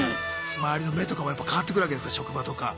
周りの目とかもやっぱ変わってくるわけですか職場とか。